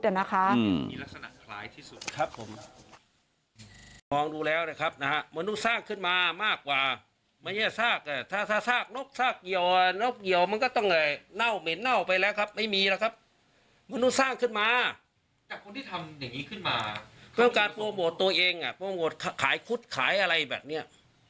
พวกนกครุฑตัวเองพวกนกครุฑขายครุฑขายอะไรแบบนี้